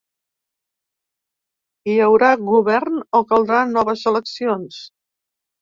Hi haurà govern o caldran noves eleccions?